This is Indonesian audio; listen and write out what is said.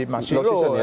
masih low season ya